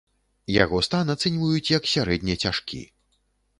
Яго стан ацэньваюць як сярэдне цяжкі.